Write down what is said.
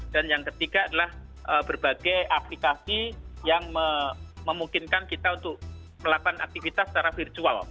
dan yang ketiga adalah berbagai aplikasi yang memungkinkan kita untuk melakukan aktivitas secara virtual